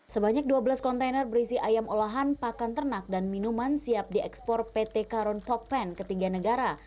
sebanyak dua belas kontainer berisi ayam olahan pakan ternak dan minuman siap diekspor pt karun pokpen ke tiga negara